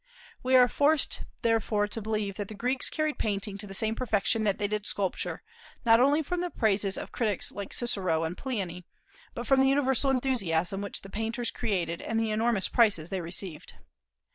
We are forced, therefore, to believe that the Greeks carried painting to the same perfection that they did sculpture, not only from the praises of critics like Cicero and Pliny, but from the universal enthusiasm which the painters created and the enormous prices they received.